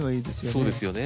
そうですよね。